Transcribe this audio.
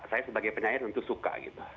saya sebagai penyanyi tentu suka